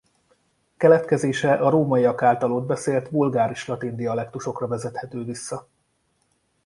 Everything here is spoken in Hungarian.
Keletkezése a rómaiak által ott beszélt vulgáris latin dialektusokra vezethető vissza.